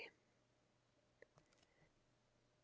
1. (i?